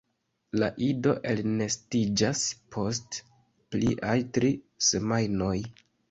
La ido elnestiĝas post pliaj tri semajnoj.